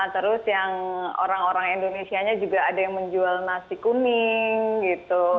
terus yang orang orang indonesianya juga ada yang menjual nasi kuning gitu